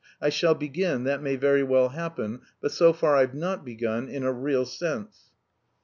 I shall begin, that may very well happen, but so far I've not begun, in a real sense."